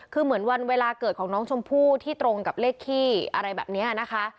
คือเหมือนวันเวลาเกิดของน้องชมพู่ที่ตรงกับเลขขี้อะไรแบบนี้นะคะ